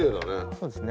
そうですね。